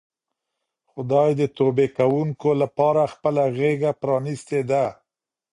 خدای د توبې کوونکو لپاره خپله غېږه پرانیستې ده.